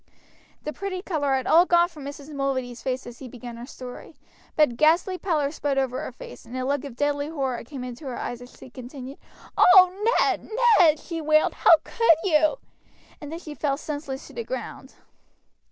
The pretty color had all gone from Mrs. Mulready's face as he began his story, but a ghastly pallor spread over her face, and a look of deadly horror came into her eyes as he continued. "Oh, Ned, Ned," she wailed, "how could you!" and then she fell senseless to the ground.